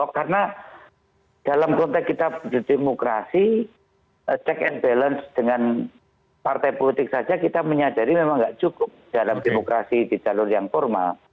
karena dalam konteks kita berdemokrasi check and balance dengan partai politik saja kita menyadari memang gak cukup dalam demokrasi di jalur yang formal